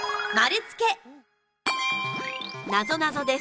なぞなぞです。